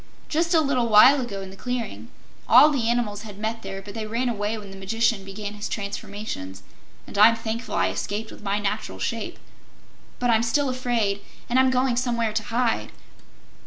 "Just a little while ago in the clearing. All the animals had met there, but they ran away when the Magician began his transformations, and I'm thankful I escaped with my natural shape. But I'm still afraid, and I'm going somewhere to hide."